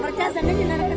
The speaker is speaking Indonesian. karena kejadian yangoh